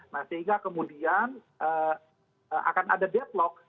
nah sehingga kemudian akan ada deadlock